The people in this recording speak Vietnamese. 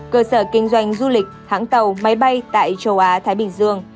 cơ sở kinh doanh du lịch hãng tàu máy bay tại châu á thái bình dương